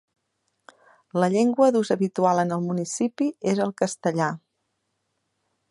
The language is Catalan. La llengua d'ús habitual en el municipi és el castellà.